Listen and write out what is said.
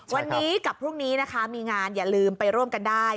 วันนี้กับพรุ่งนี้นะคะมีงานอย่าลืมไปร่วมกันได้